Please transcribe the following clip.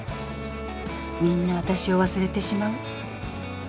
みんな私を忘れてしまうって。